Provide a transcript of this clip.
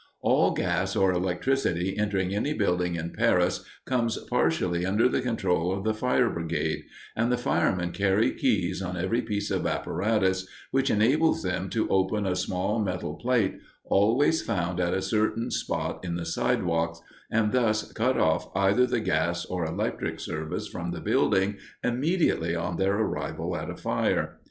All gas or electricity entering any building in Paris comes partially under the control of the fire brigade, and the firemen carry keys on every piece of apparatus which enables them to open a small metal plate, always found at a certain spot in the sidewalks, and thus cut off either the gas or electric service from the building immediately on their arrival at a fire.